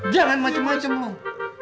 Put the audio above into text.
jangan macem macem loh